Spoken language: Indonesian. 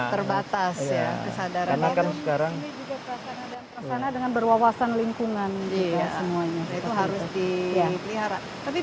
terbatas ya kesadaran sekarang dengan berwawasan lingkungan di semuanya itu harus dikelihara tapi